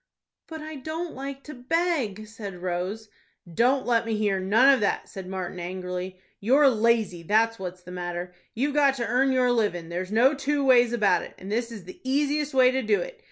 "But I don't like to beg," said Rose. "Don't let me hear none of that," said Martin, angrily. "You're lazy, that's what's the matter. You've got to earn your livin', there's no two ways about that, and this is the easiest way to do it.